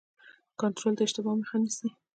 کنټرول د اشتباه مخه نیسي